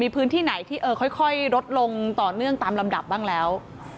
พื้นที่ไหนที่ค่อยลดลงต่อเนื่องตามลำดับบ้างแล้ว